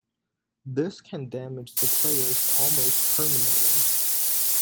This can damage the players almost permanently.